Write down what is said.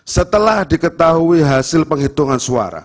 setelah diketahui hasil penghitungan suara